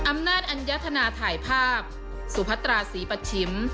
อำนาจอัญญธนาถ่ายภาพสุพัตราศรีปัชชิม